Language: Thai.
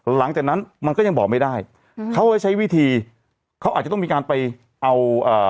หลังจากนั้นมันก็ยังบอกไม่ได้อืมเขาก็ใช้วิธีเขาอาจจะต้องมีการไปเอาเอ่อ